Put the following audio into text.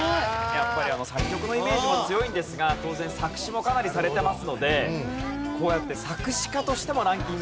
やっぱり作曲のイメージも強いんですが当然作詞もかなりされてますのでこうやって作詞家としてもランキングに入ってくるんですね。